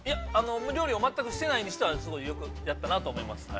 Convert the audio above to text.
◆料理を全くしてないには、やったなと思います。